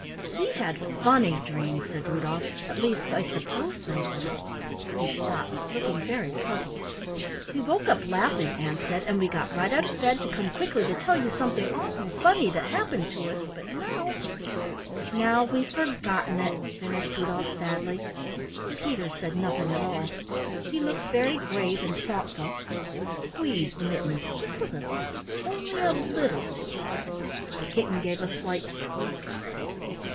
"We had funny dreams," said Rudolf, "at least, I suppose they were " He stopped, looking very puzzled. "We woke up laughing," Ann said, "and we got right out of bed to come quickly to tell you something awful funny that happened to us, but now " "Now we've forgotten it!" finished Rudolf sadly. Peter said nothing at all. He looked very grave and thoughtful and squeezed Mittens just a little only a little too hard. The kitten gave a slight squeak.